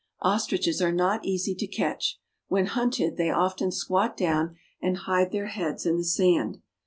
Ostriches are not easy to catch. When hunted they often squat down and hide their heads in the sand.